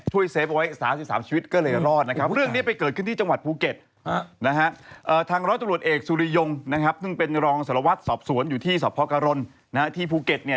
เต๋วไว้สามชีวิตก็เลยรอดนะครับเรื่องนี้ไปเกิดขึ้นที่จังหวัดภูเกศนะฮะ